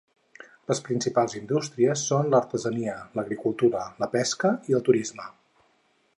Les principals indústries són l'artesania, l'agricultura, la pesca i el turisme.